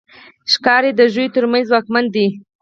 ښکاري د ژويو تر منځ ځواکمن دی.